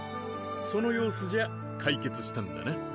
その様子じゃ解決したんだな